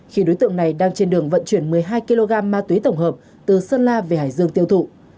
khi đối tượng này đang trên đường vận chuyển một mươi hai kg ma túy tổng hợp từ sơn la về hải dương tiêu thụ